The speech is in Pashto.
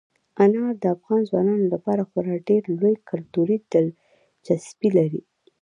انار د افغان ځوانانو لپاره خورا ډېره لویه کلتوري دلچسپي لري.